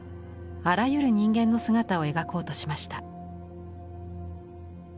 あらゆる人間の姿を描こうとしました。